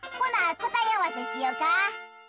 こたえあわせしようか。